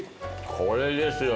これですよ